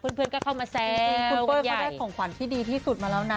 เพื่อนก็เข้ามาแซงคุณเป้ยเขาได้ของขวัญที่ดีที่สุดมาแล้วนะ